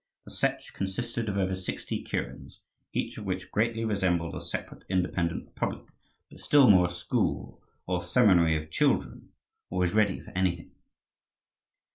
The Setch consisted of over sixty kurens, each of which greatly resembled a separate independent republic, but still more a school or seminary of children, always ready for anything.